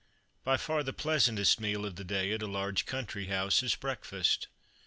By far the pleasantest meal of the day at a large country house is breakfast.